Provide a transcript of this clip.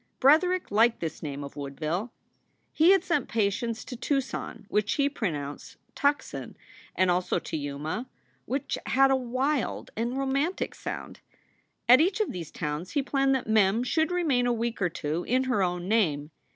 Bretherick liked this name of Woodville. He had sent patients to Tucson which he pronounced "Tuckson" and also to Yuma, which had a wild and romantic sound. At each of these towns he planned that Mem should remain a week or two in her own name.